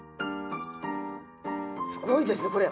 すごいですねこれ。